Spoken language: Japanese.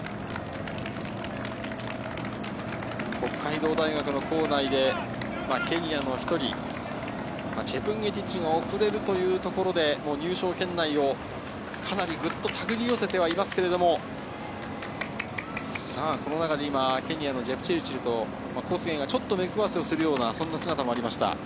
北海道大学の構内で、ケニアの１人、チェプンゲティッチが遅れるというところで入賞圏内をかなりグッとたぐり寄せてはいますけれども、この中で今、ジェプチルチルとコスゲイが目配せをするような姿もありました。